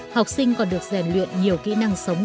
học sinh còn được rèn luyện nhiều kỹ năng sống